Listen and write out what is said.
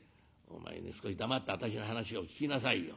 「お前ね少し黙って私の話を聞きなさいよ。